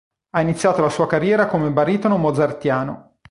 Ha iniziato la sua carriera come baritono mozartiano.